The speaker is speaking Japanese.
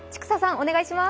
お願いします。